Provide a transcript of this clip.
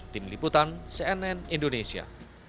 tim liputan cnn indonesia